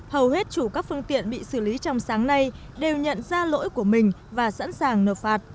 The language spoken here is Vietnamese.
hầu hết chủ các phương tiện bị xử lý trong sáng nay đều nhận ra lỗi của mình và sẵn sàng nộp phạt